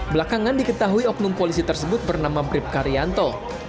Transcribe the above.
belakangan diketahui oknum polisi tersebut bernama bribka rianto